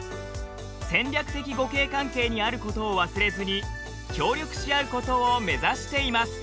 戦略的互恵関係にあることを忘れずに協力し合うことを目指しています。